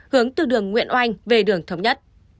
hướng từ đường nguyễn oanh về đường thống nhất